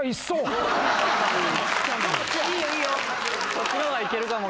そっちの方がいけるかも。